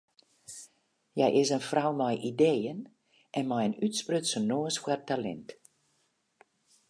Hja is in frou mei ideeën en mei in útsprutsen noas foar talint.